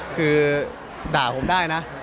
คือด่าผมได้นะ